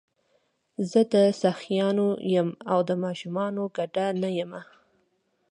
زه د سخیانو یم او د شومانو ګدا نه یمه.